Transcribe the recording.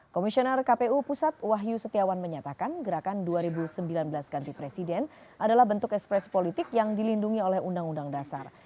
komisioner kpu pusat wahyu setiawan menyatakan gerakan dua ribu sembilan belas ganti presiden adalah bentuk ekspresi politik yang dilindungi oleh undang undang dasar